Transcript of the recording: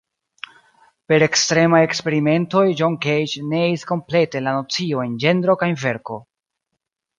Per ekstremaj eksperimentoj John Cage neis komplete la nociojn ĝenro kaj verko.